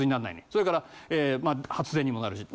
それからまあ発電にもなるし。